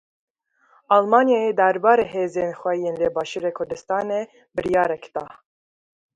Almanyayê derbarê hêzên xwe yên li Başûrê Kurdistanê biryarek da.